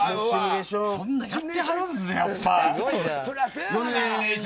そんなんやってはるんですね。